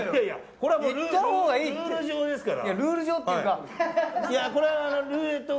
これはルール上ですから。